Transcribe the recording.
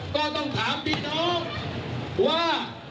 ก็ต้องถามพี่น้องว่า